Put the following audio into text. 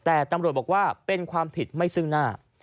แต่ตำรวจบอกว่าเป็นความผิดไม่ซึ่งหน้า